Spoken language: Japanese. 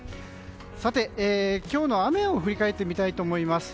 さて、今日の雨を振り返ってみたいと思います。